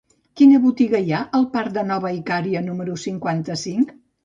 Quina botiga hi ha al parc de Nova Icària número cinquanta-cinc?